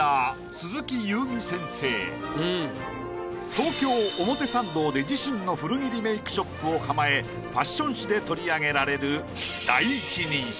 東京・表参道で自身の古着リメイクショップを構えファッション誌で取り上げられる。